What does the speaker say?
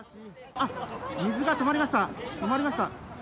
あっ、水が止まりました、止まりました。